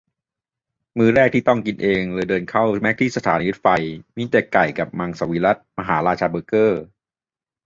มื้อแรกที่ต้องกินเองเลยเดินเข้าแมคที่สถานีรถไฟ มีแต่ไก่ กับมังสวิรัติ มหาราชาเบอร์เกอร์